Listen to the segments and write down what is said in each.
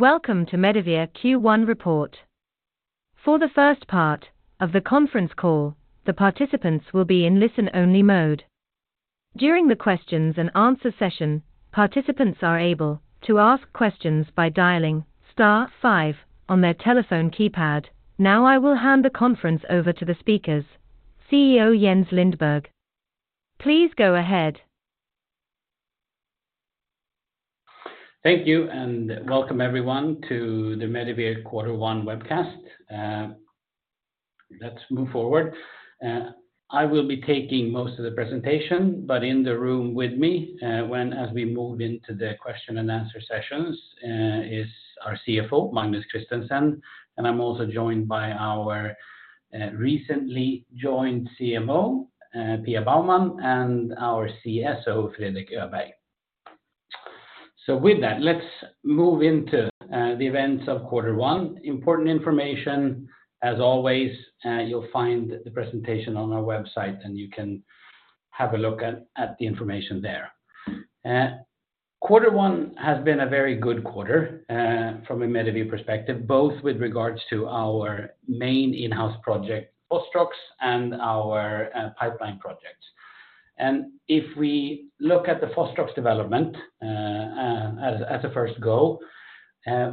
Welcome to Medivir Q1 report. For the first part of the conference call, the participants will be in listen-only mode. During the questions and answer session, participants are able to ask questions by dialing star five on their telephone keypad. I will hand the conference over to the speakers. CEO Jens Lindberg, please go ahead. Thank you, welcome everyone to the Medivir quarter one webcast. let's move forward. I will be taking most of the presentation, but in the room with me, as we move into the question and answer sessions, is our CFO, Magnus Christensen, and I'm also joined by our, recently joined CMO, Pia Baumann, and our CSO, Fredrik Öberg. With that, let's move into the events of quarter one. Important information, as always, you'll find the presentation on our website, you can have a look at the information there. quarter one has been a very good quarter, from a Medivir perspective, both with regards to our main in-house project, fostrox, and our, pipeline projects. If we look at the fostrox development, as a first go,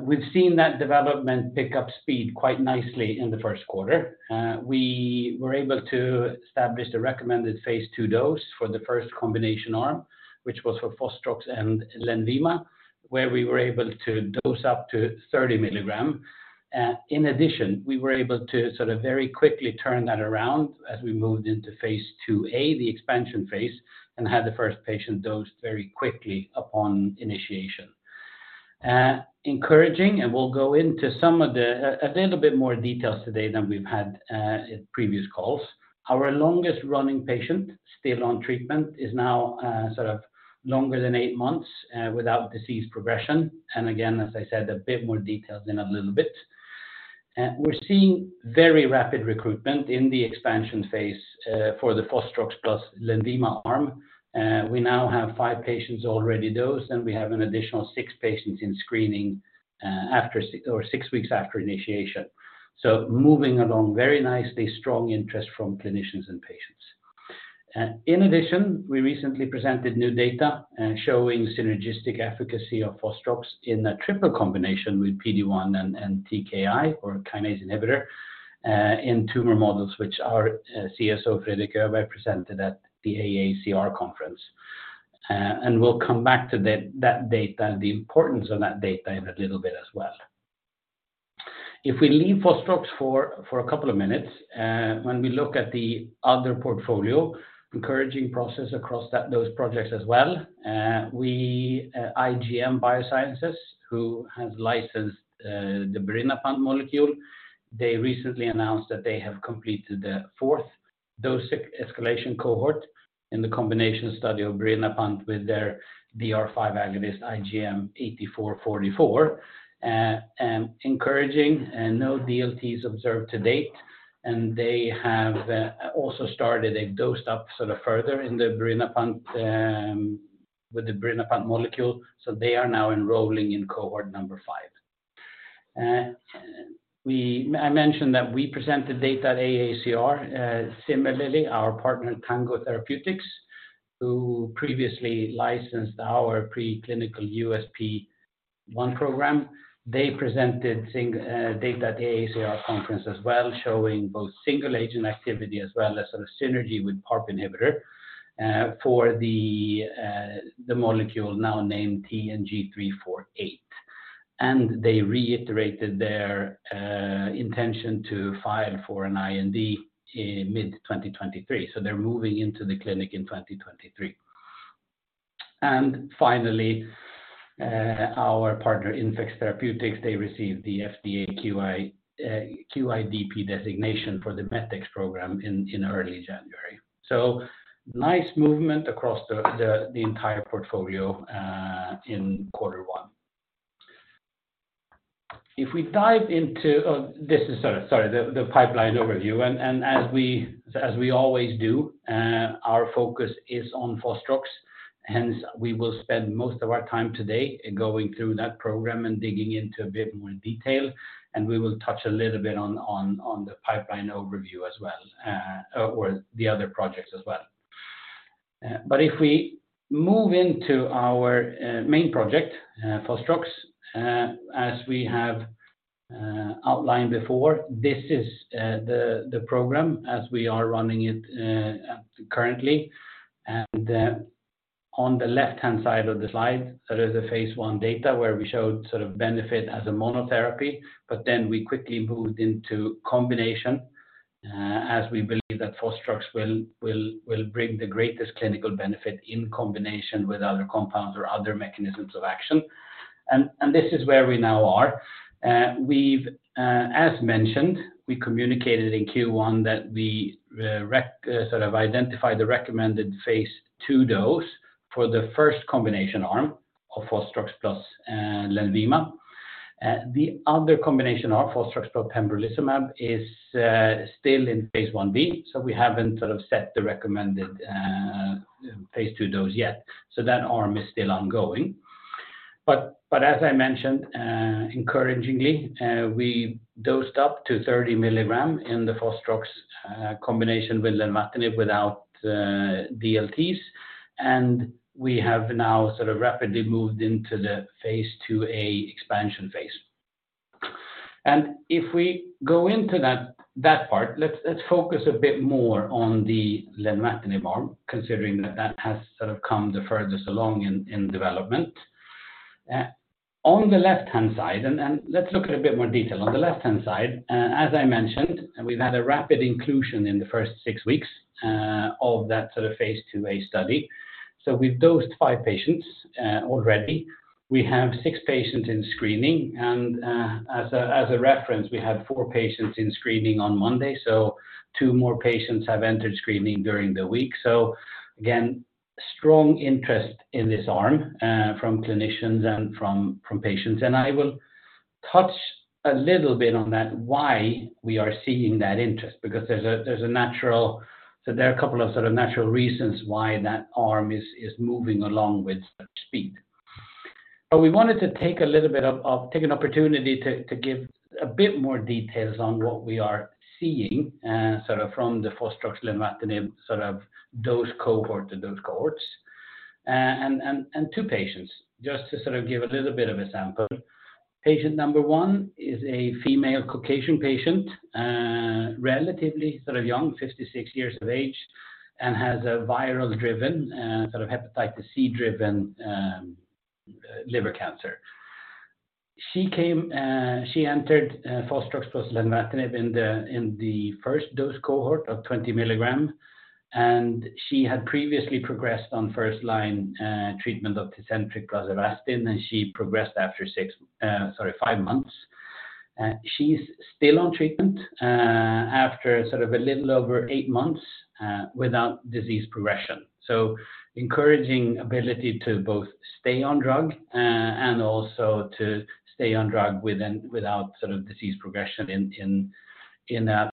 we've seen that development pick up speed quite nicely in the first quarter. We were able to establish the recommended phase II dose for the first combination arm, which was for fostrox and LENVIMA, where we were able to dose up to 30 mg. In addition, we were able to sort of very quickly turn that around as we moved into phase II-a, the expansion phase, and had the first patient dosed very quickly upon initiation. Encouraging, we'll go into some of the little bit more details today than we've had at previous calls. Our longest-running patient still on treatment is now sort of longer than 8 months without disease progression. Again, as I said, a bit more details in a little bit. We're seeing very rapid recruitment in the expansion phase for the fostrox plus LENVIMA arm. We now have 5 patients already dosed, and we have an additional 6 patients in screening after 6 weeks after initiation. Moving along very nicely, strong interest from clinicians and patients. In addition, we recently presented new data showing synergistic efficacy of fostrox in a triple combination with PD-1 and TKI or kinase inhibitor in tumor models which our CSO Fredrik Öberg presented at the AACR conference. We'll come back to that data, the importance of that data in a little bit as well. If we leave fostrox for a couple of minutes, when we look at the other portfolio, encouraging process across those projects as well. We, IGM Biosciences, who has licensed the birinapant molecule, they recently announced that they have completed the 4th dose escalation cohort in the combination study of birinapant with their DR5 agonist IGM-8444. Encouraging, no DLTs observed to date. They have also started, they've dosed up sort of further in the birinapant molecule, so they are now enrolling in cohort number 5. I mentioned that we presented data at AACR. Similarly, our partner, Tango Therapeutics, who previously licensed our preclinical USP1 program, they presented data at the AACR conference as well, showing both single-agent activity as well as sort of synergy with PARP inhibitor for the molecule now named TNG348. They reiterated their intention to file for an IND in mid 2023. They're moving into the clinic in 2023. Finally, our partner, Infex Therapeutics, they received the FDA QIDP designation for the MET-X program in early January. Nice movement across the entire portfolio in quarter one. If we dive into the pipeline overview. As we always do, our focus is on fostrox, hence we will spend most of our time today going through that program and digging into a bit more detail, and we will touch a little bit on the pipeline overview as well, or the other projects as well. If we move into our main project, fostrox, as we have outlined before, this is the program as we are running it currently. On the left-hand side of the slide, so there's the phase I data where we showed sort of benefit as a monotherapy, but then we quickly moved into combination, as we believe that fostrox will bring the greatest clinical benefit in combination with other compounds or other mechanisms of action. This is where we now are. As mentioned, we communicated in Q1 that we re-identified the recommended phase II dose for the first combination arm of fostrox plus LENVIMA. The other combination arm, fostrox plus pembrolizumab, is still in phase I-b, so we haven't sort of set the recommended phase II dose yet. That arm is still ongoing. As I mentioned, encouragingly, we dosed up to 30 milligrams in the fostrox combination with lenvatinib without DLTs. We have now sort of rapidly moved into the phase II-a expansion phase. If we go into that part, let's focus a bit more on the lenvatinib arm, considering that has sort of come the furthest along in development. On the left-hand side, and let's look at a bit more detail. On the left-hand side, as I mentioned, we've had a rapid inclusion in the first six weeks of that sort of phase II-a study. We've dosed five patients already. We have six patients in screening. As a reference, we had four patients in screening on Monday. Two more patients have entered screening during the week. Again, strong interest in this arm from clinicians and from patients. I will touch a little bit on that, why we are seeing that interest, because there's a natural. There are a couple of sort of natural reasons why that arm is moving along with such speed. We wanted to take a little bit of take an opportunity to give a bit more details on what we are seeing sort of from the fostrox lenvatinib sort of dose cohort to dose cohorts and 2 patients, just to sort of give a little bit of a sample. Patient number 1 is a female Caucasian patient, relatively sort of young, 56 years of age, and has a viral-driven, sort of hepatitis C-driven, liver cancer. She came, she entered fostrox plus lenvatinib in the first dose cohort of 20 mg. She had previously progressed on first-line treatment of TECENTRIQ plus Avastin. She progressed after 5 months. She's still on treatment after sort of a little over 8 months without disease progression. Encouraging ability to both stay on drug and also to stay on drug without sort of disease progression in a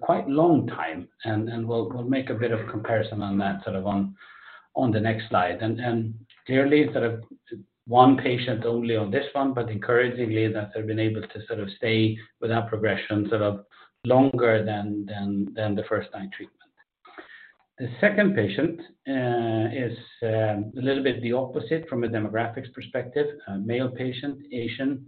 quite long time. We'll make a bit of comparison on that sort of on the next slide. Clearly sort of 1 patient only on this one, but encouragingly that they've been able to sort of stay without progression sort of longer than the first-line treatment. The second patient is a little bit the opposite from a demographics perspective. A male patient, Asian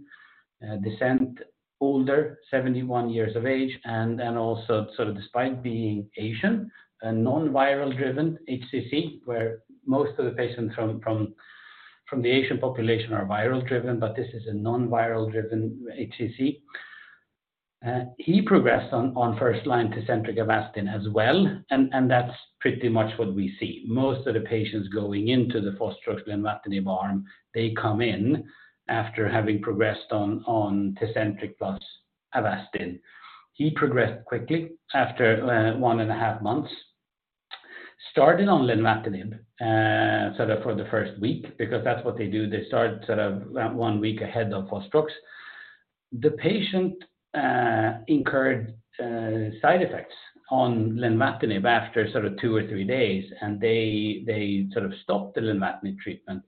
descent, older, 71 years of age. Also sort of despite being Asian, a non-viral driven HCC, where most of the patients from the Asian population are viral driven. This is a non-viral driven HCC. He progressed on first-line TECENTRIQ Avastin as well. That's pretty much what we see. Most of the patients going into the fostrox lenvatinib arm, they come in after having progressed on TECENTRIQ plus Avastin. He progressed quickly after 1 and a half months, started on lenvatinib sort of for the first week, because that's what they do. They start sort of 1 week ahead of fostrox. The patient incurred side effects on lenvatinib after sort of 2 or 3 days. They sort of stopped the lenvatinib treatment.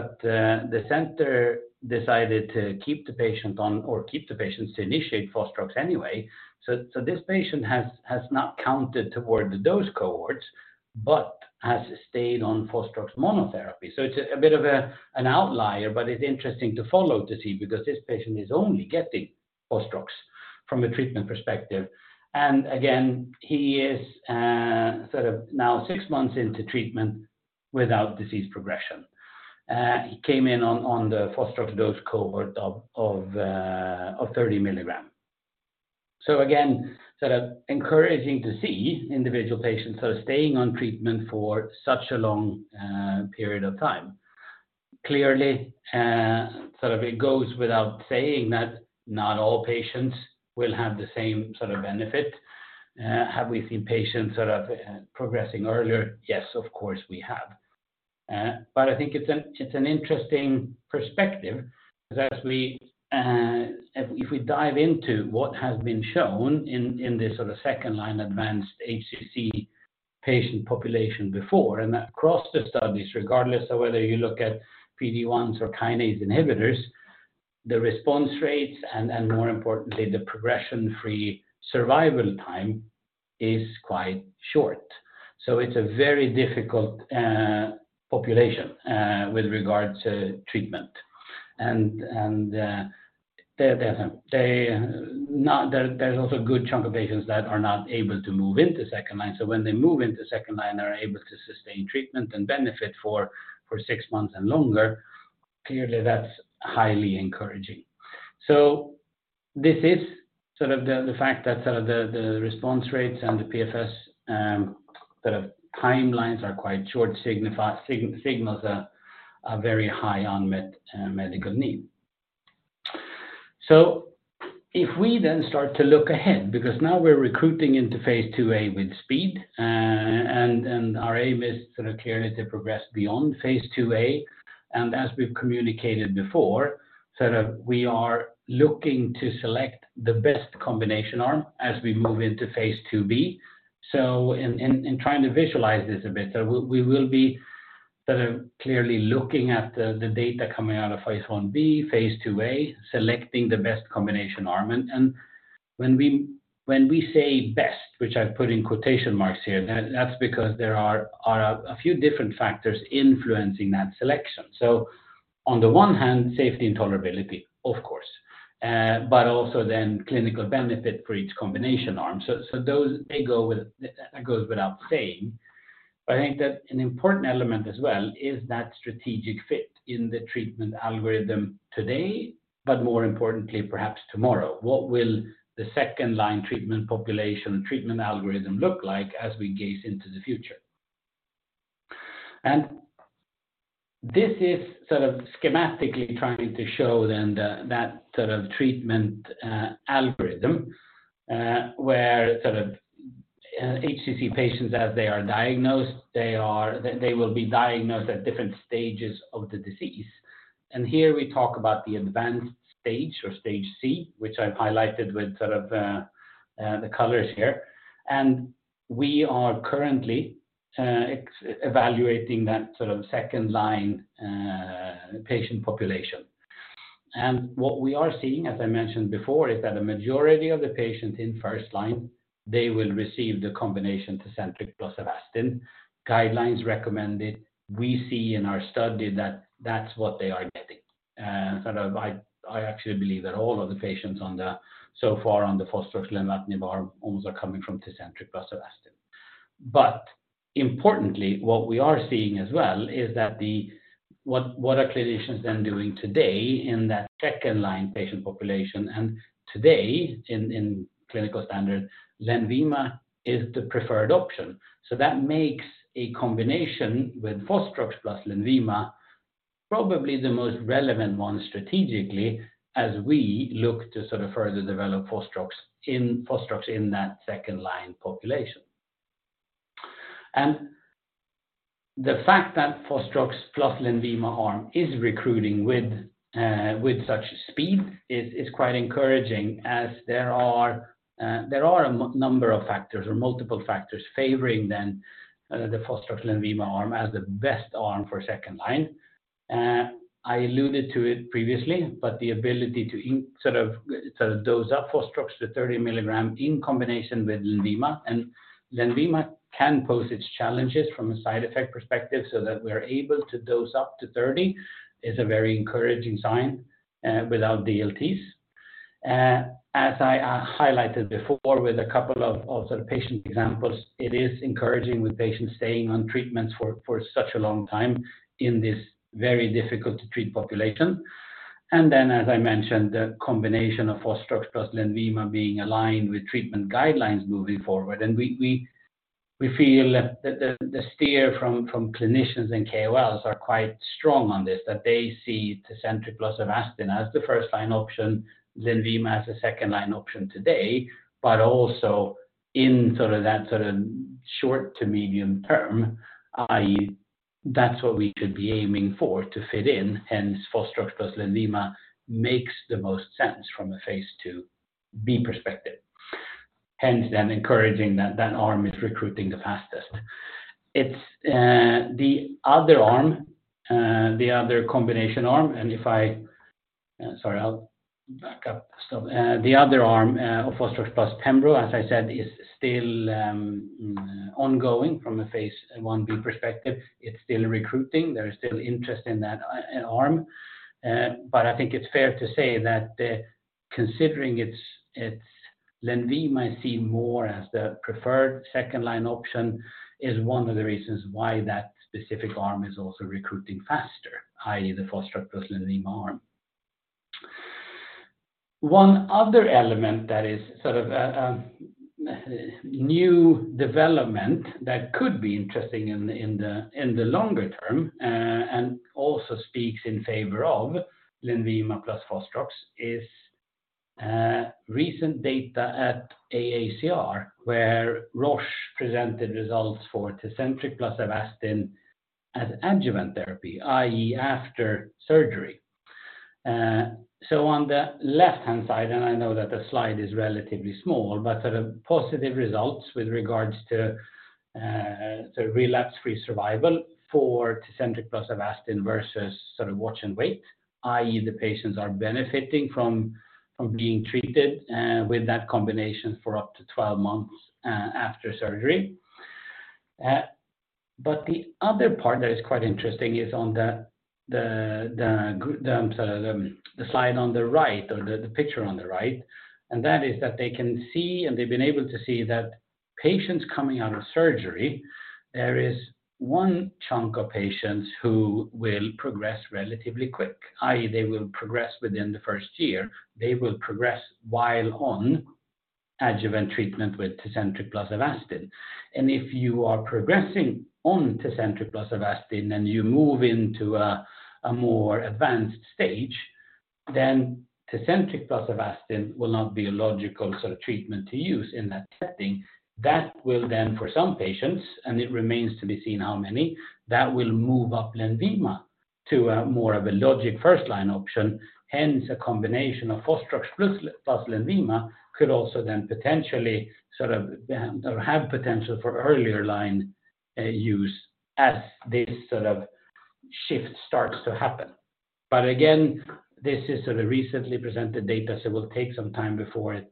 The center decided to keep the patient on or keep the patients to initiate fostrox anyway. This patient has not counted toward the dose cohorts, but has stayed on fostrox monotherapy. It's a bit of an outlier, but it's interesting to follow to see because this patient is only getting fostrox from a treatment perspective. Again, he is sort of now six months into treatment without disease progression. He came in on the fostrox dose cohort of 30 milligrams. Again, sort of encouraging to see individual patients sort of staying on treatment for such a long period of time. Clearly, sort of it goes without saying that not all patients will have the same sort of benefit. Have we seen patients sort of progressing earlier? Yes, of course, we have. I think it's an interesting perspective because as we, if we dive into what has been shown in this sort of second-line advanced HCC patient population before, and across the studies, regardless of whether you look at PD-1s or kinase inhibitors, the response rates and more importantly, the progression-free survival time is quite short. It's a very difficult population with regard to treatment. There's also a good chunk of patients that are not able to move into second-line. When they move into second-line, they're able to sustain treatment and benefit for six months and longer. Clearly, that's highly encouraging. This is sort of the fact that sort of the response rates and the PFS, sort of timelines are quite short signals a very high unmet medical need. If we then start to look ahead, because now we're recruiting into phase II-a with speed, and our aim is sort of clearly to progress beyond phase II-a. As we've communicated before, sort of we are looking to select the best combination arm as we move into phase II-b. In trying to visualize this a bit, so we will be That are clearly looking at the data coming out of phase I-b, phase II-a, selecting the best combination arm. When we say best, which I've put in quotation marks here, that's because there are a few different factors influencing that selection. On the one hand, safety and tolerability, of course. Also then clinical benefit for each combination arm. Those, that goes without saying. I think that an important element as well is that strategic fit in the treatment algorithm today, but more importantly, perhaps tomorrow. What will the second line treatment population treatment algorithm look like as we gaze into the future? This is sort of schematically trying to show then the that sort of treatment algorithm, where sort of HCC patients as they are diagnosed, they will be diagnosed at different stages of the disease. Here we talk about the advanced stage or stage C, which I've highlighted with sort of the colors here. We are currently evaluating that sort of second-line patient population. What we are seeing, as I mentioned before, is that a majority of the patients in first line, they will receive the combination TECENTRIQ plus Avastin guidelines recommended. We see in our study that that's what they are getting. Sort of I actually believe that all of the patients on the, so far on the fostrox and LENVIMA arms are coming from TECENTRIQ plus Avastin. Importantly, what we are seeing as well is that what are clinicians then doing today in that second-line patient population. Today in clinical standard, LENVIMA is the preferred option. That makes a combination with Fostrox plus LENVIMA probably the most relevant one strategically as we look to sort of further develop Fostrox in that second-line population. The fact that Fostrox plus LENVIMA arm is recruiting with such speed is quite encouraging as there are a number of factors or multiple factors favoring then the Fostrox LENVIMA arm as the best arm for second-line. I alluded to it previously, but the ability to sort of dose up Fostrox to 30 milligrams in combination with LENVIMA. LENVIMA can pose its challenges from a side effect perspective so that we're able to dose up to 30 is a very encouraging sign without DLTs. As I highlighted before with a couple of sort of patient examples, it is encouraging with patients staying on treatments for such a long time in this very difficult to treat population. As I mentioned, the combination of fostrox plus LENVIMA being aligned with treatment guidelines moving forward. We feel that the steer from clinicians and KOLs are quite strong on this, that they see TECENTRIQ plus Avastin as the first-line option, LENVIMA as a second-line option today. Also in sort of that sort of short to medium term, i.e., that's what we could be aiming for to fit in, hence fostrox plus LENVIMA makes the most sense from a phase II-b perspective. Encouraging that that arm is recruiting the fastest. It's the other arm, the other combination arm. If I... Sorry, I'll back up. The other arm of fostrox plus pembro, as I said, is still ongoing from a phase I-b perspective. It's still recruiting. There is still interest in that arm. But I think it's fair to say that considering LENVIMA is seen more as the preferred second line option is one of the reasons why that specific arm is also recruiting faster, i.e. the fostrox plus LENVIMA arm. One other element that is sort of a new development that could be interesting in the longer term and also speaks in favor of LENVIMA plus fostrox is recent data at AACR, where Roche presented results for TECENTRIQ plus Avastin as adjuvant therapy, i.e. after surgery. On the left-hand side, and I know that the slide is relatively small, but sort of positive results with regards to sort of relapse-free survival for TECENTRIQ plus Avastin versus sort of watch and wait. I.e. the patients are benefiting from being treated with that combination for up to 12 months after surgery. The other part that is quite interesting is on the slide on the right or the picture on the right, and that is that they can see, and they've been able to see that patients coming out of surgery, there is 1 chunk of patients who will progress relatively quick, i.e. they will progress within the first year. They will progress while on adjuvant treatment with TECENTRIQ plus Avastin. If you are progressing on Tecentriq plus Avastin, and you move into a more advanced stage, then TECENTRIQ plus Avastin will not be a logical sort of treatment to use in that setting. That will then for some patients, and it remains to be seen how many, that will move up Lenvima to a more of a logic first-line option, hence a combination of Fostrox plus Lenvima could also then potentially sort of, or have potential for earlier line, use as this sort of shift starts to happen. Again, this is sort of recently presented data, so it will take some time before it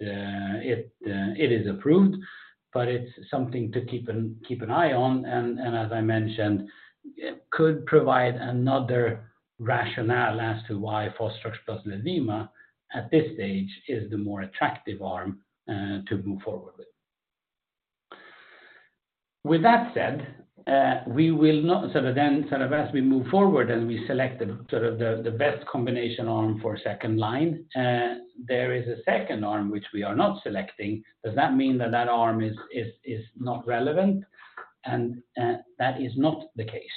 is approved, but it's something to keep an eye on. As I mentioned, it could provide another rationale as to why fostrox plus LENVIMA at this stage is the more attractive arm to move forward with. With that said, as we move forward and we select the best combination arm for second line, there is a second arm which we are not selecting. Does that mean that that arm is not relevant? That is not the case.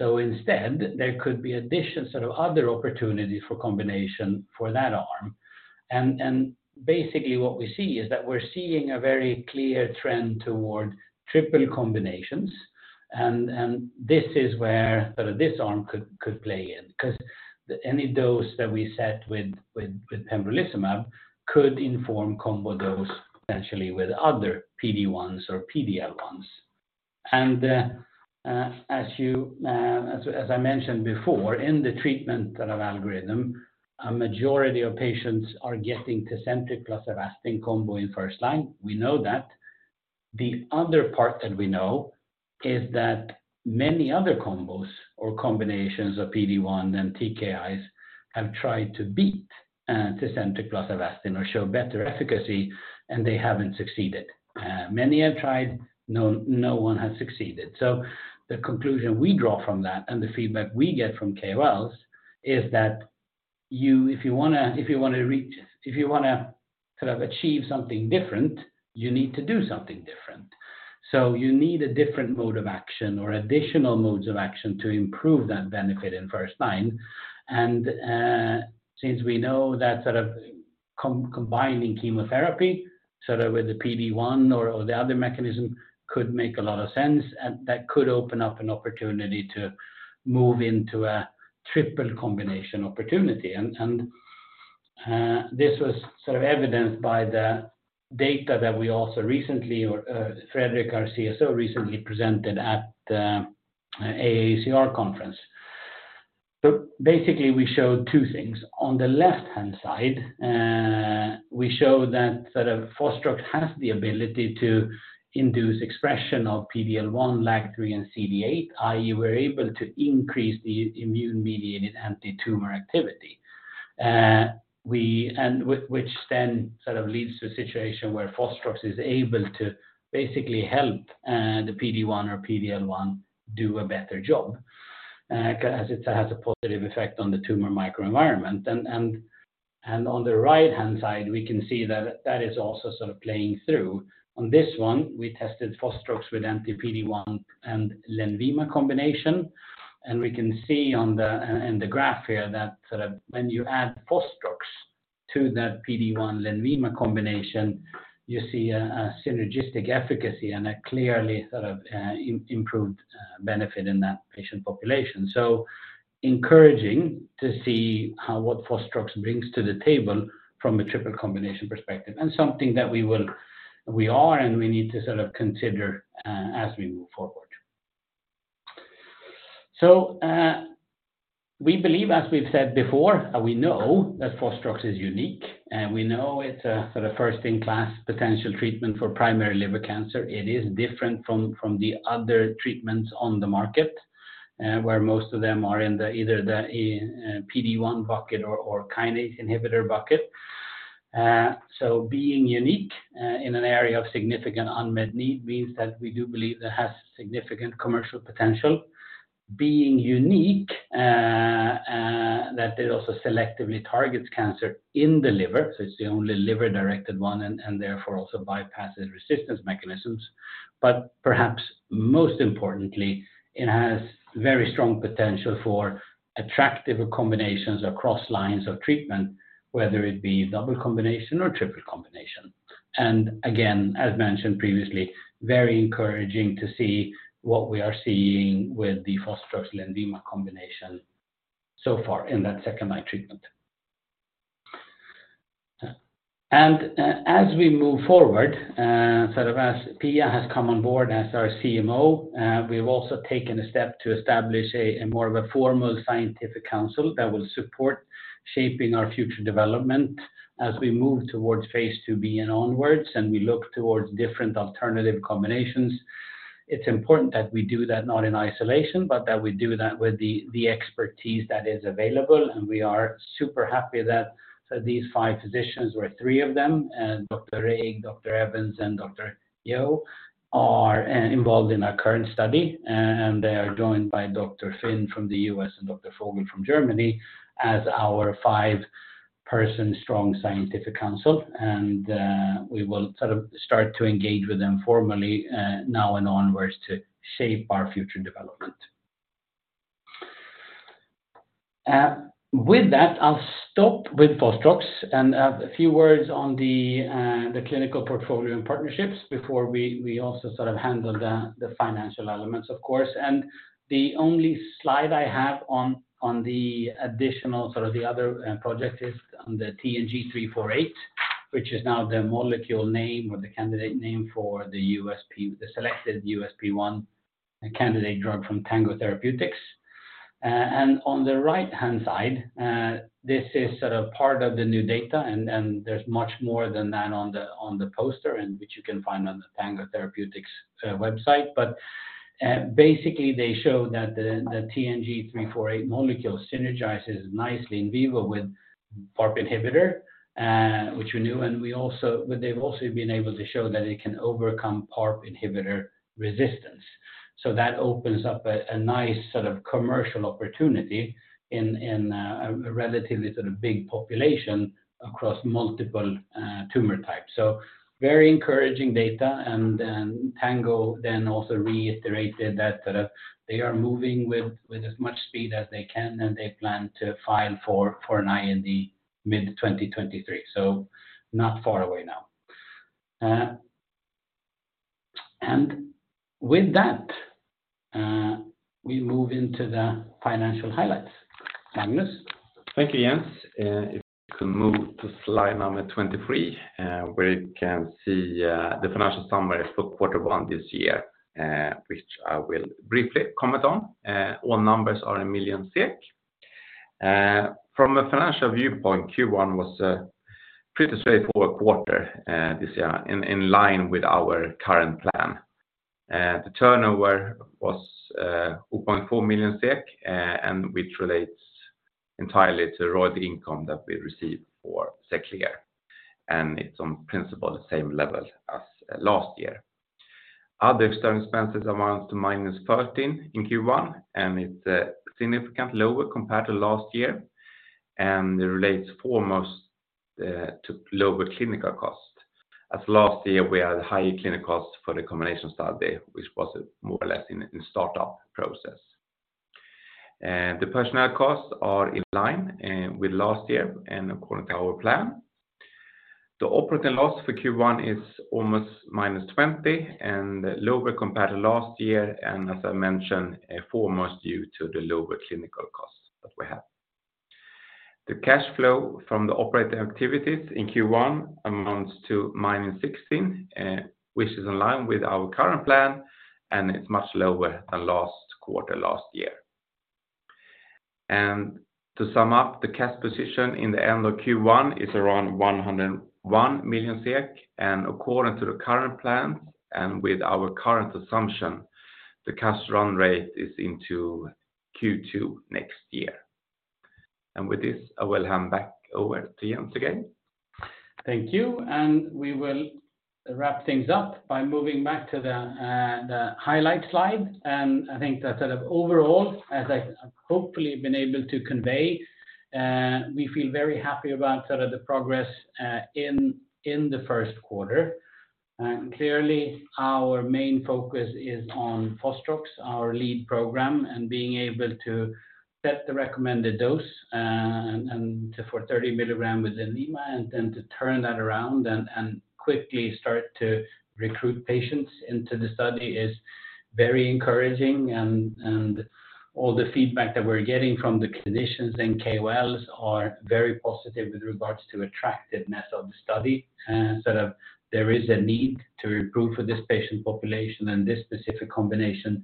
Instead, there could be addition sort of other opportunities for combination for that arm. Basically what we see is that we're seeing a very clear trend toward triple combinations. This is where sort of this arm could play in, 'cause any dose that we set with pembrolizumab could inform combo dose potentially with other PD-1s or PD-L1s. As you, as I mentioned before, in the treatment sort of algorithm, a majority of patients are getting TECENTRIQ plus Avastin combo in first-line. We know that. The other part that we know is that many other combos or combinations of PD-1 and TKIs have tried to beat TECENTRIQ plus Avastin or show better efficacy, and they haven't succeeded. Many have tried, no one has succeeded. The conclusion we draw from that and the feedback we get from KOLs is that if you wanna, if you wanna reach, if you wanna sort of achieve something different, you need to do something different. You need a different mode of action or additional modes of action to improve that benefit in first line. Since we know that combining chemotherapy, sort of with the PD-1 or the other mechanism could make a lot of sense, and that could open up an opportunity to move into a triple combination opportunity. This was sort of evidenced by the data that we also recently or Fredrik, our CSO, recently presented at the AACR conference. Basically, we showed two things. On the left-hand side, we showed that sort of fostrox has the ability to induce expression of PD-L1, LAG-3, and CD8, i.e., we're able to increase the immune-mediated antitumor activity. With which then sort of leads to a situation where fostrox is able to basically help the PD-1 or PD-L1 do a better job as it has a positive effect on the tumor microenvironment. On the right-hand side, we can see that that is also sort of playing through. On this one, we tested fostrox with anti-PD-1 and LENVIMA combination. We can see on the graph here that sort of when you add fostrox to that PD-1 LENVIMA combination, you see a synergistic efficacy and a clearly sort of improved benefit in that patient population. Encouraging to see how, what fostrox brings to the table from a triple combination perspective, and something that we will, we are and we need to sort of consider as we move forward. We believe, as we've said before, we know that Fostrox is unique, and we know it's a sort of first in class potential treatment for primary liver cancer. It is different from the other treatments on the market, where most of them are in the either the PD-1 bucket or kinase inhibitor bucket. Being unique in an area of significant unmet need means that we do believe that it has significant commercial potential. Being unique, that it also selectively targets cancer in the liver, so it's the only liver-directed one and therefore also bypasses resistance mechanisms. Perhaps most importantly, it has very strong potential for attractive combinations across lines of treatment, whether it be double combination or triple combination. Again, as mentioned previously, very encouraging to see what we are seeing with the fostrox LENVIMA combination so far in that second-line treatment. As we move forward, sort of as Pia has come on board as our CMO, we've also taken a step to establish a more of a formal scientific council that will support shaping our future development as we move towards phase II-b and onwards, and we look towards different alternative combinations. It's important that we do that not in isolation, but that we do that with the expertise that is available. We are super happy that these five physicians, or three of them, Dr. Greten, Dr. Evans, and Dr. Heo, are involved in our current study, and they are joined by Dr. Finn from the U.S. and Dr. Vogel from Germany as our five-person strong scientific council. We will sort of start to engage with them formally now and onwards to shape our future development. With that, I'll stop with fostrox and a few words on the clinical portfolio and partnerships before we also sort of handle the financial elements, of course. The only slide I have on the additional sort of the other project is on the TNG348, which is now the molecule name or the candidate name for the USP, the selected USP1 candidate drug from Tango Therapeutics. On the right-hand side, this is sort of part of the new data, and then there's much more than that on the poster, and which you can find on the Tango Therapeutics website. Basically, they show that the TNG348 molecule synergizes nicely in vivo with PARP inhibitor, which we knew. They've also been able to show that it can overcome PARP inhibitor resistance. That opens up a nice sort of commercial opportunity in a relatively sort of big population across multiple tumor types. Very encouraging data. Tango also reiterated that sort of they are moving with as much speed as they can, and they plan to file for an IND mid-2023. Not far away now. And with that, we move into the financial highlights. Magnus? Thank you, Jens. If we can move to slide number 23, where you can see the financial summary for quarter one this year, which I will briefly comment on. All numbers are in million SEK. From a financial viewpoint, Q1 was a pretty straightforward quarter this year in line with our current plan. The turnover was 0.4 million SEK, which relates entirely to royalty income that we received for Xeljanz. It's on principle the same level as last year. Other external expenses amount to -13 in Q1, it's significantly lower compared to last year. It relates foremost to lower clinical costs. As last year, we had higher clinical costs for the combination study, which was more or less in startup process. The personnel costs are in line with last year and according to our plan. The operating loss for Q1 is almost minus 20 and lower compared to last year, and as I mentioned, foremost due to the lower clinical costs that we have. The cash flow from the operating activities in Q1 amounts to minus 16, which is in line with our current plan, and it's much lower than last quarter last year. To sum up, the cash position in the end of Q1 is around 101 million SEK. According to the current plans and with our current assumption, the cash run rate is into Q2 next year. With this, I will hand back over to Jens again. Thank you. We will wrap things up by moving back to the highlight slide. I think that sort of overall, as I've hopefully been able to convey, we feel very happy about sort of the progress in the first quarter. Clearly, our main focus is on fostrox, our lead program, and being able to set the recommended dose, and to for 30 mg with LENVIMA, and then to turn that around and quickly start to recruit patients into the study is very encouraging. All the feedback that we're getting from the clinicians and KOLs are very positive with regards to attractiveness of the study. Sort of there is a need to recruit for this patient population, and this specific combination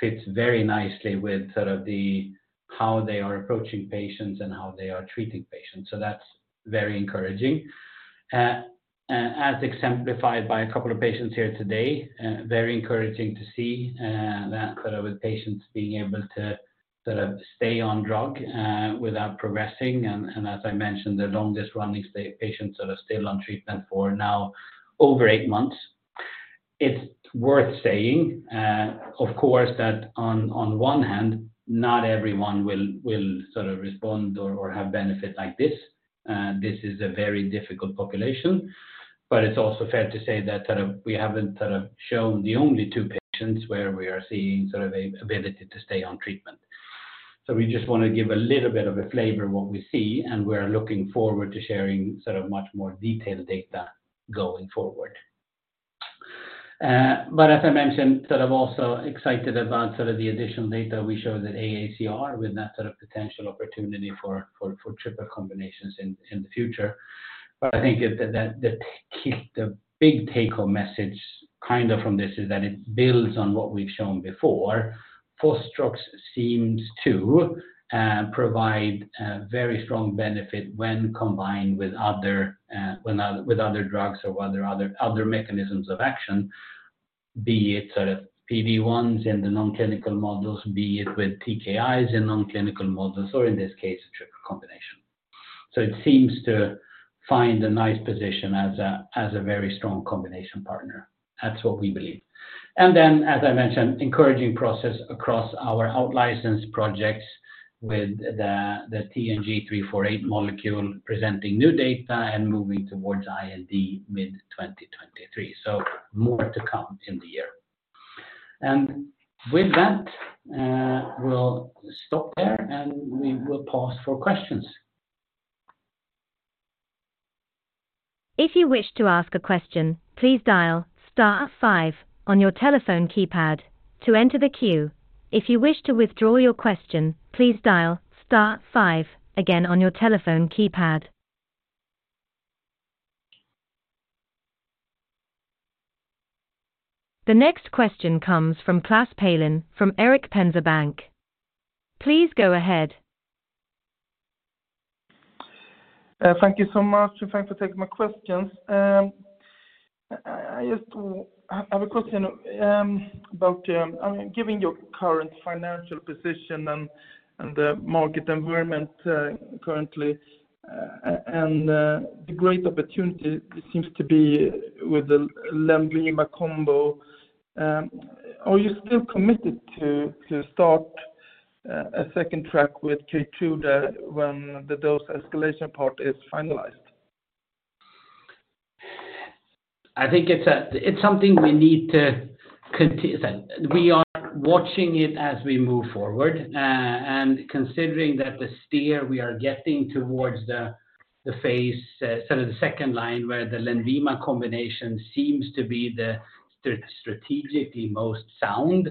fits very nicely with sort of the how they are approaching patients and how they are treating patients. That's very encouraging. As exemplified by a couple of patients here today, very encouraging to see that sort of with patients being able to sort of stay on drug, without progressing. As I mentioned, the longest-running patients that are still on treatment for now over eight months. It's worth saying, of course, that on one hand, not everyone will sort of respond or have benefit like this. This is a very difficult population. It's also fair to say that we haven't shown the only two patients where we are seeing a ability to stay on treatment. We just want to give a little bit of a flavor of what we see, and we're looking forward to sharing much more detailed data going forward. As I mentioned, also excited about the additional data we showed at AACR with that potential opportunity for triple combinations in the future. I think the big take-home message from this is that it builds on what we've shown before. Fostrox seems to provide a very strong benefit when combined with other drugs or other mechanisms of action, be it sort of PD-1s in the non-clinical models, be it with TKIs in non-clinical models, or in this case, a triple combination. It seems to find a nice position as a, as a very strong combination partner. That's what we believe. As I mentioned, encouraging process across our outlicense projects with the TNG348 molecule presenting new data and moving towards IND mid-2023. More to come in the year. With that, we'll stop there, and we will pause for questions. If you wish to ask a question, please dial star five on your telephone keypad to enter the queue. If you wish to withdraw your question, please dial star five again on your telephone keypad. The next question comes from Clas Pelin from Erik Penser Bank. Please go ahead. Thank you so much, and thanks for taking my questions. I just have a question about, I mean, giving your current financial position and the market environment currently, and the great opportunity it seems to be with the LENVIMA combo, are you still committed to start a second track with Keytruda that when the dose escalation part is finalized? I think it's something we need to continue. We are watching it as we move forward, and considering that the steer we are getting towards the phase, sort of the second line where the LENVIMA combination seems to be strategically most sound,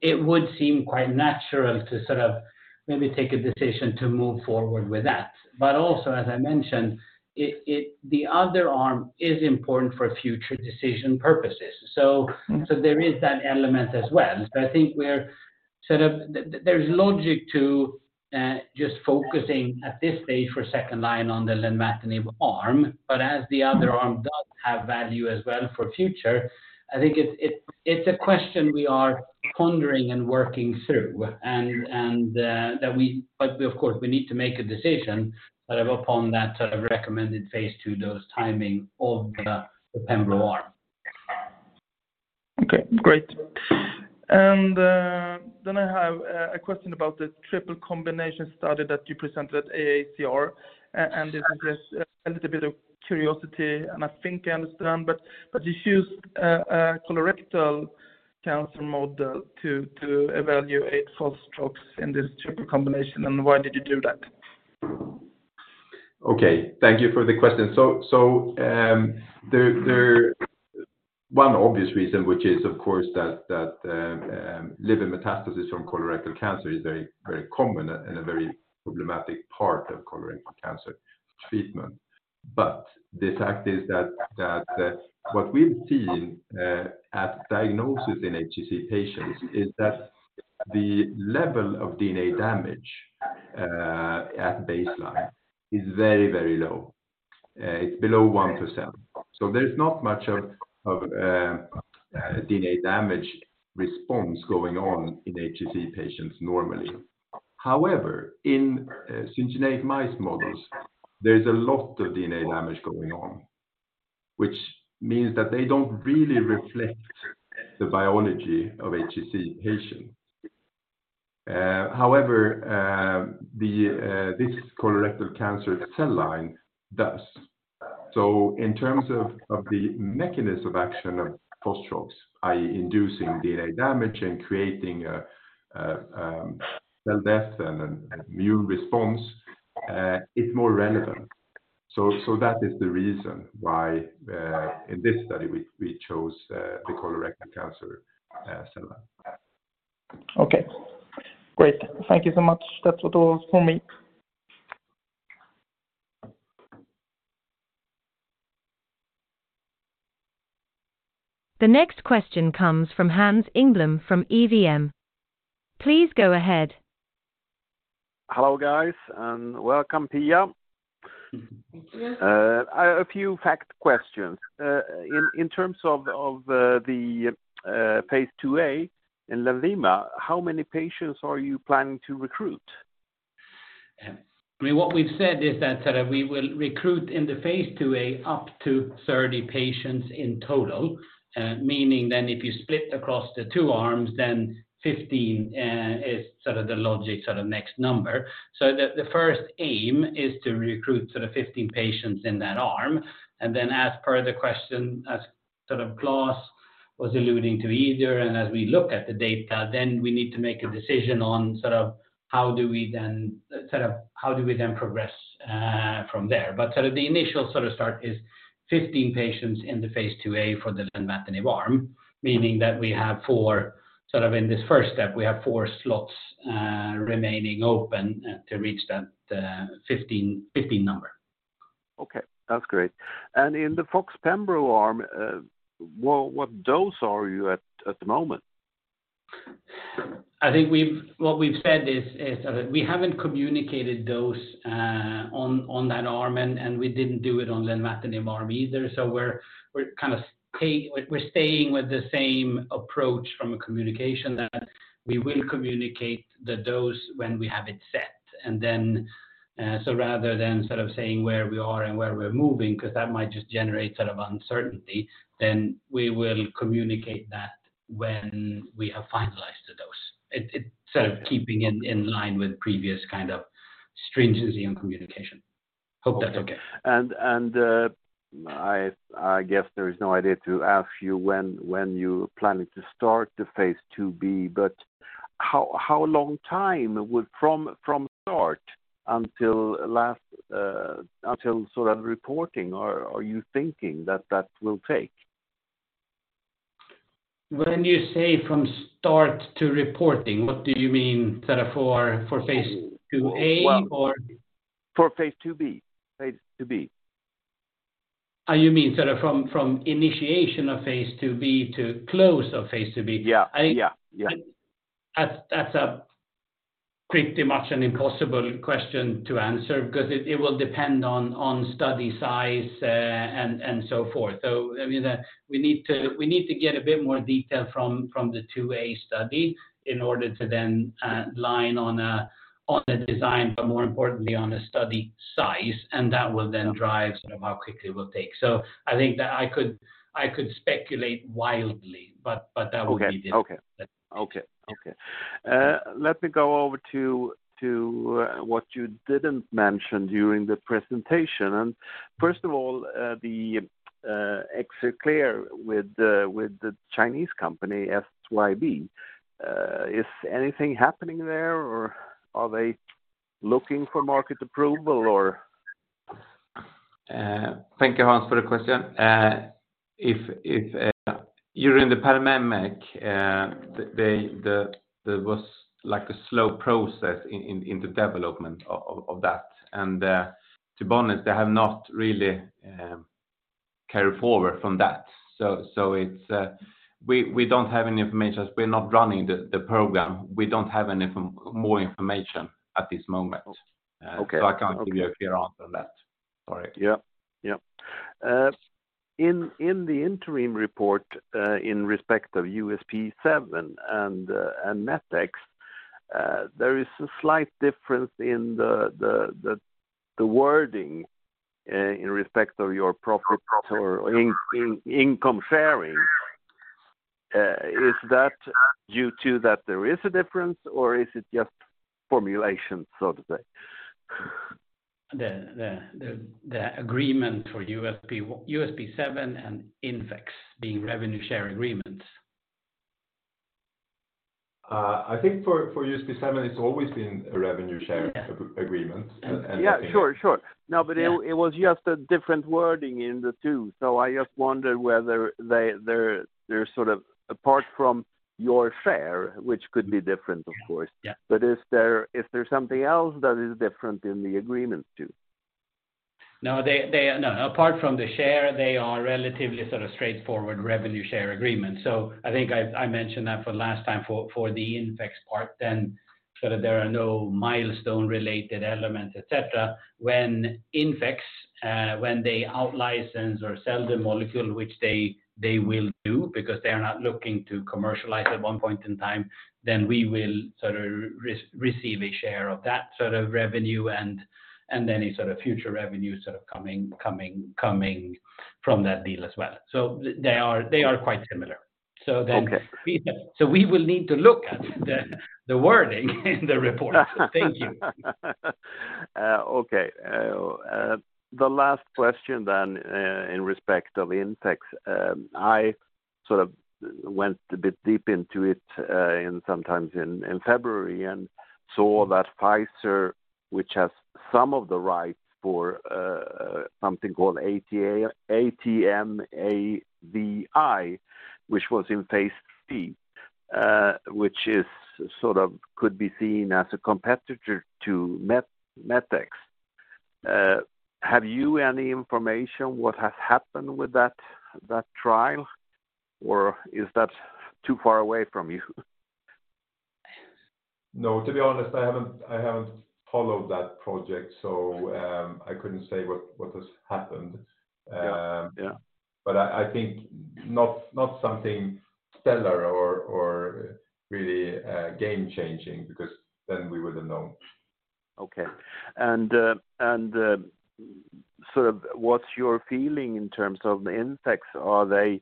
it would seem quite natural to sort of maybe take a decision to move forward with that. Also, as I mentioned, the other arm is important for future decision purposes. There is that element as well. I think we're sort of there's logic to just focusing at this stage for second line on the lenvatinib arm. As the other arm does have value as well for future, I think it's a question we are pondering and working through and that we. Of course, we need to make a decision sort of upon that sort of recommended phase II dose timing of the pembro arm. Okay, great. Then I have a question about the triple combination study that you presented at AACR. And this is a little bit of curiosity, and I think I understand, but you used a colorectal cancer model to evaluate Fostrox in this triple combination. Why did you do that? Okay. Thank you for the question. There one obvious reason which is of course that liver metastasis from colorectal cancer is very, very common and a very problematic part of colorectal cancer treatment. The fact is that what we've seen at diagnosis in HCC patients is that the level of DNA damage at baseline is very, very low. It's below 1 per cell. There's not much of DNA damage response going on in HCC patients normally. However, in syngeneic mouse models, there's a lot of DNA damage going on, which means that they don't really reflect the biology of HCC patients. However, the this colorectal cancer cell line does. In terms of the mechanism action of fostrox, i.e., inducing DNA damage and creating a cell death and an immune response, it's more relevant. That is the reason why in this study we chose the colorectal cancer cell line. Okay. Great. Thank you so much. That was all for me. The next question comes from Hans Engblom from EVM. Please go ahead. Hello, guys, and welcome, Pia. Thank you. A few fact questions. In terms of the phase II-a in LENVIMA, how many patients are you planning to recruit? I mean, what we've said is that sort of we will recruit in the phase II-a up to 30 patients in total, meaning then if you split across the two arms, then 15 is sort of the logic sort of next number. The first aim is to recruit sort of 15 patients in that arm. As per the question, as sort of Clas was alluding to earlier, as we look at the data, then we need to make a decision on sort of how do we then progress from there. Sort of the initial sort of start is 15 patients in the phase II-a for the lenvatinib arm, meaning that we have four sort of in this first step, we have four slots remaining open to reach that 15 number. Okay, that's great. In the fostrox pembro arm, what dose are you at the moment? I think what we've said is that we haven't communicated dose on that arm and we didn't do it on lenvatinib arm either. We're kind of staying with the same approach from a communication that we will communicate the dose when we have it set. Rather than sort of saying where we are and where we're moving, 'cause that might just generate sort of uncertainty, then we will communicate that when we have finalized it. It's sort of keeping in line with previous kind of stringency and communication. Hope that's okay. I guess there is no idea to ask you when you planning to start the phase II-b, but how long time would from start until last until sort of reporting are you thinking that that will take? When you say from start to reporting, what do you mean sort of for phase II-a or? For phase II-b, phase II-b. Oh, you mean sort of from initiation of phase II-b to close of phase II-b? Yeah. Yeah. Yeah. I think that's a pretty much an impossible question to answer because it will depend on study size and so forth. I mean, we need to get a bit more detail from the two way study in order to then line on a design, but more importantly on a study size. That will then drive sort of how quickly it will take. I think that I could speculate wildly, but that would be difficult. Okay. Okay. Okay. Let me go over to what you didn't mention during the presentation. First of all, the Xclair with the Chinese company, SYB. Is anything happening there, or are they looking for market approval, or? Thank you, Hans, for the question. If there was like a slow process in the development of that. To be honest, they have not really carried forward from that. It's, we don't have any information. We're not running the program. We don't have any more information at this moment. Okay. I can't give you a clear answer on that. Sorry. Yeah. Yeah. In the interim report, in respect of USP7 and MET-X, there is a slight difference in the wording, in respect of your profit or income sharing. Is that due to that there is a difference or is it just formulation, so to say? The agreement for USP7 and Intas being revenue share agreements. I think for USP7, it's always been a revenue share agreement. Yeah. And, and- Yeah, sure. No, but. Yeah it was just a different wording in the two. I just wondered whether there is sort of apart from your share, which could be different, of course. Yeah. Is there something else that is different in the agreement, too? No, they... No. Apart from the share, they are relatively sort of straightforward revenue share agreements. I think I mentioned that for last time for the Intas part then sort of there are no milestone related elements, et cetera. When Intas, when they out license or sell the molecule, which they will do because they are not looking to commercialize at one point in time, then we will sort of re-receive a share of that sort of revenue and any sort of future revenue sort of coming from that deal as well. They are, they are quite similar. Okay. We will need to look at the wording in the report. Thank you. Okay. The last question then, in respect of Intas, I sort of went a bit deep into it, in sometimes in February and saw that Pfizer, which has some of the rights for something called ATM-AVI, which was in phase C, which is sort of could be seen as a competitor to MET-X. Have you any information what has happened with that trial, or is that too far away from you? To be honest, I haven't followed that project, so, I couldn't say what has happened. Yeah. I think not something stellar or really game changing because then we would have known. Okay. Sort of what's your feeling in terms of the Intas? Are they,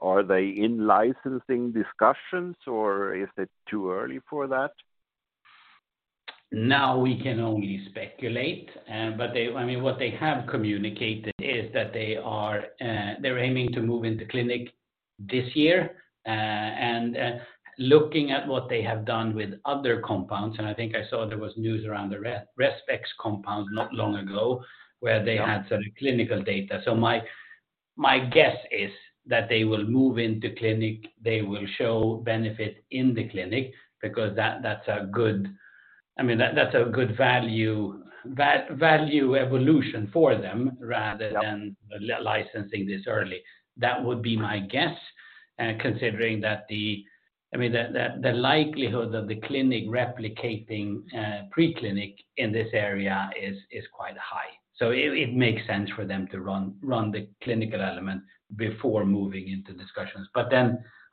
are they in licensing discussions or is it too early for that? Now we can only speculate. I mean, what they have communicated is that they are, they're aiming to move into clinic this year, looking at what they have done with other compounds, and I think I saw there was news around the remetinostat compound not long ago where they had sort of clinical data. My, my guess is that they will move into clinic, they will show benefit in the clinic because that's a good, I mean, that's a good value evolution for them rather than- Yeah... licensing this early. That would be my guess, considering that the, I mean, the likelihood of the clinic replicating pre-clinic in this area is quite high. It makes sense for them to run the clinical element before moving into discussions.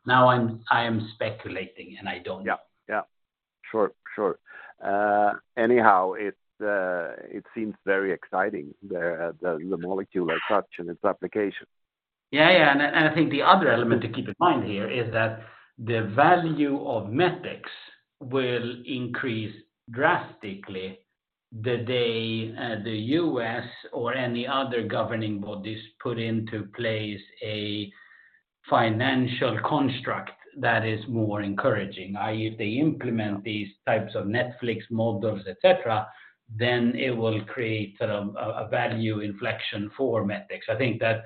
Now I am speculating. Yeah. Yeah. Sure. Sure. Anyhow, it seems very exciting, the molecule as such and its application. Yeah, yeah. I think the other element to keep in mind here is that the value of Medivir will increase drastically the day, the U.S. or any other governing bodies put into place a financial construct that is more encouraging, i.e., if they implement these types of Netflix models, et cetera, then it will create sort of a value inflection for Medivir. I think that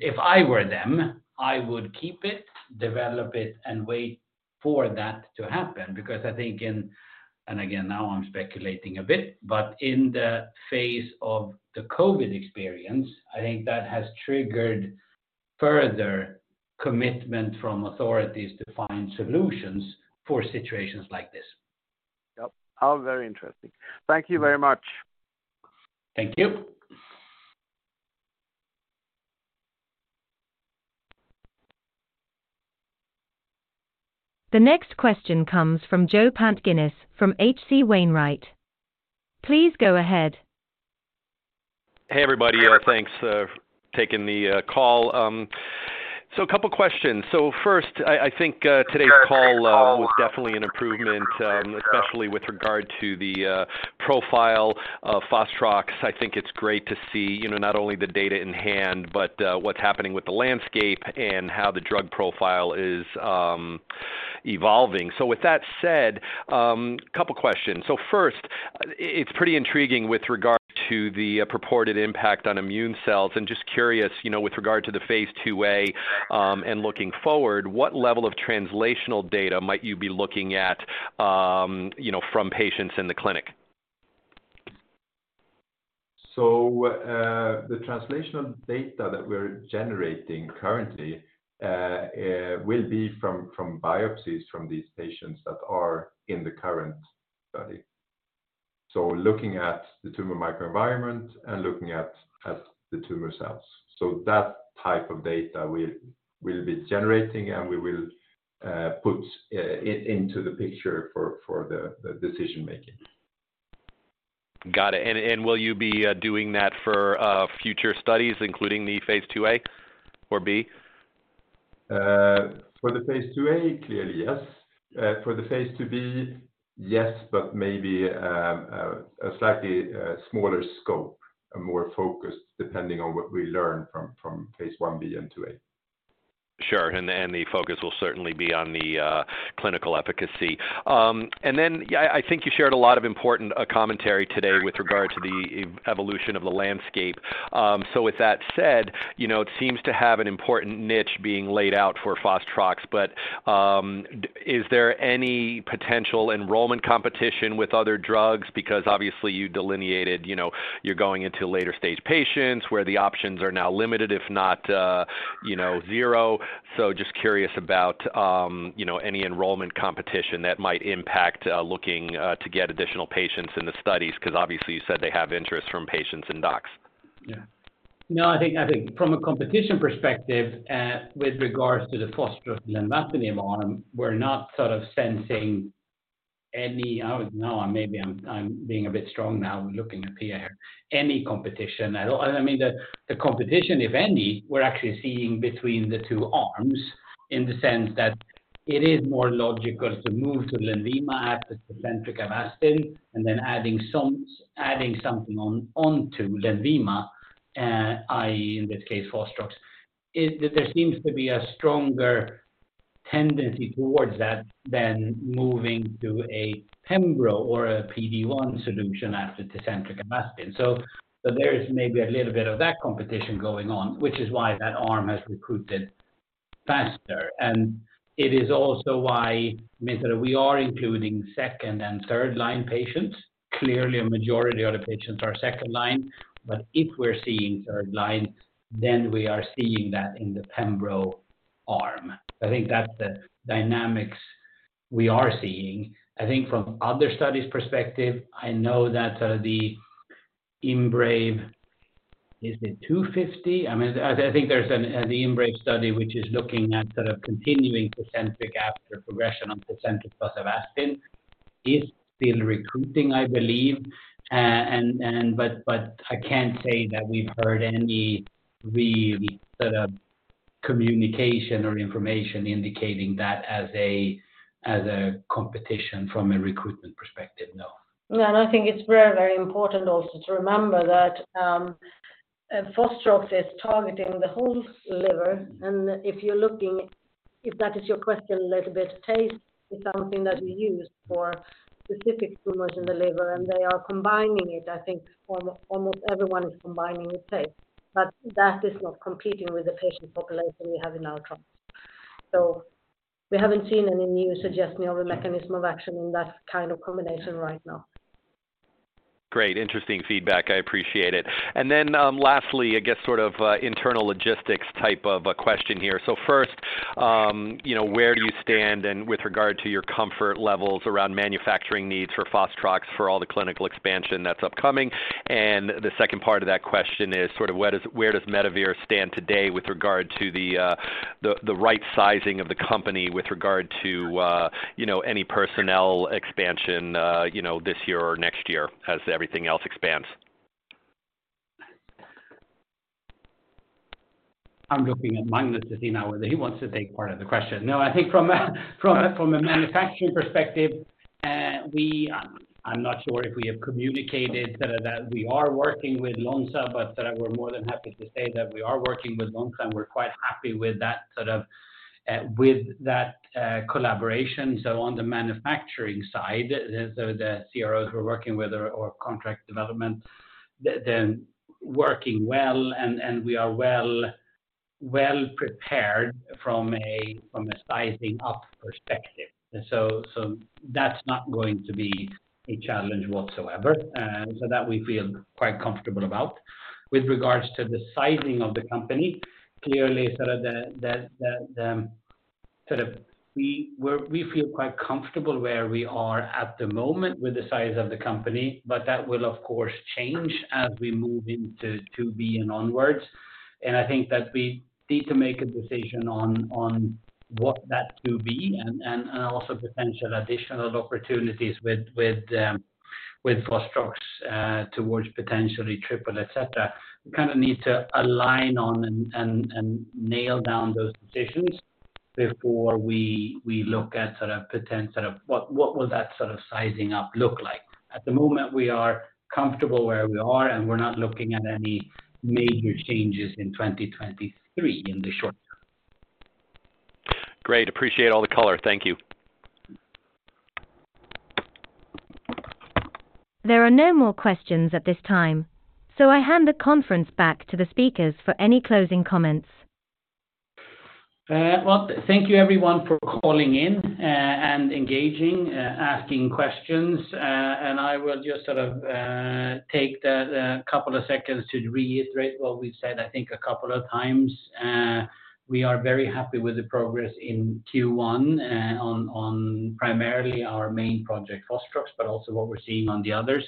if I were them, I would keep it, develop it, and wait for that to happen because I think. Again, now I'm speculating a bit, but in the phase of the COVID experience, I think that has triggered further commitment from authorities to find solutions for situations like this. Yep. Oh, very interesting. Thank you very much. Thank you. The next question comes from Joe Pantginis from H.C. Wainwright. Please go ahead. Hey, everybody. Thanks for taking the call. A couple questions. First, I think today's call was definitely an improvement, especially with regard to the profile of fostrox. I think it's great to see, you know, not only the data in hand, but what's happening with the landscape and how the drug profile is evolving. With that said, couple questions. First, it's pretty intriguing with regard to the purported impact on immune cells, and just curious, you know, with regard to the phase II-a, and looking forward, what level of translational data might you be looking at, you know, from patients in the clinic? The translational data that we're generating currently, will be from biopsies from these patients that are in the current study. Looking at the tumor microenvironment and looking at the tumor cells. That type of data we'll be generating, and we will put into the picture for the decision making. Got it. Will you be doing that for future studies, including the phase II-a or II-b? For the phase II-a, clearly, yes. For the phase II-b, yes, maybe, a slightly smaller scope and more focused depending on what we learn from phase I-b and II-a. Sure. The focus will certainly be on the clinical efficacy. Then I think you shared a lot of important commentary today with regard to the evolution of the landscape. With that said, you know, it seems to have an important niche being laid out for fostrox. Is there any potential enrollment competition with other drugs? Because obviously you delineated, you know, you're going into later stage patients where the options are now limited, if not, you know, zero. Just curious about, you know, any enrollment competition that might impact looking to get additional patients in the studies, 'cause obviously you said they have interest from patients and docs. No, I think, I think from a competition perspective, with regards to the fostrox and lenvatinib arm, we're not sort of sensing any... I would... No, maybe I'm being a bit strong now, looking at the air, any competition at all. I mean, the competition, if any, we're actually seeing between the two arms in the sense that it is more logical to move to LENVIMA after TECENTRIQ Avastin and then adding something on, onto LENVIMA, i.e. in this case, fostrox. There seems to be a stronger tendency towards that than moving to a pembro or a PD-1 solution after TECENTRIQ Avastin. So there is maybe a little bit of that competition going on, which is why that arm has recruited faster. It is also why, I mean, sort of we are including second and third line patients. Clearly, a majority of the patients are second line. If we're seeing third line, we are seeing that in the pembro arm. I think that's the dynamics we are seeing. From other studies perspective, I know that the IMbrave150, is it 250? I mean, I think there's an IMbrave150 study which is looking at sort of continuing TECENTRIQ after progression on TECENTRIQ plus Avastin, is still recruiting, I believe. But I can't say that we've heard any real sort of communication or information indicating that as a competition from a recruitment perspective. No, I think it's very, very important also to remember that fostrox is targeting the whole liver. If that is your question a little bit, TAI is something that we use for specific tumors in the liver, and they are combining it. I think almost everyone is combining with TAI. That is not competing with the patient population we have in our trials. We haven't seen any new suggestion of a mechanism of action in that kind of combination right now. Great. Interesting feedback. I appreciate it. Lastly, I guess sort of internal logistics type of a question here. First, you know, where do you stand and with regard to your comfort levels around manufacturing needs for Fostrox for all the clinical expansion that's upcoming? The second part of that question is sort of where does Medivir stand today with regard to the right sizing of the company with regard to, you know, any personnel expansion, you know, this year or next year as everything else expands? I'm looking at Magnus to see now whether he wants to take part of the question. I think from a, from a, from a manufacturing perspective, I'm not sure if we have communicated that we are working with Lonza, but that we're more than happy to say that we are working with Lonza, and we're quite happy with that sort of, with that, collaboration. On the manufacturing side, the CROs we're working with or contract development, them working well, and we are well prepared from a, from a sizing up perspective. That's not going to be a challenge whatsoever. That we feel quite comfortable about. With regards to the sizing of the company, clearly sort of we feel quite comfortable where we are at the moment with the size of the company, but that will, of course, change as we move into 2B and onwards. I think that we need to make a decision on what that to be and also potential additional opportunities with fostrox towards potentially Triple, et cetera. We kinda need to align on and nail down those decisions before we look at sort of potent what will that sort of sizing up look like. At the moment, we are comfortable where we are, and we're not looking at any major changes in 2023 in the short term. Great. Appreciate all the color. Thank you. There are no more questions at this time, so I hand the conference back to the speakers for any closing comments. Well, thank you everyone for calling in, and engaging, asking questions. I will just sort of take the couple of seconds to reiterate what we've said, I think, a couple of times. We are very happy with the progress in Q1, on primarily our main project fostrox, but also what we're seeing on the others.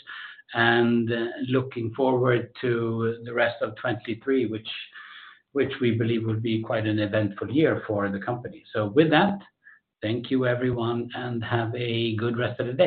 Looking forward to the rest of 2023, which we believe will be quite an eventful year for the company. With that, thank you everyone, and have a good rest of the day.